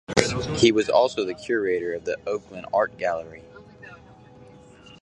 He was also the curator of the Oakland Art Gallery.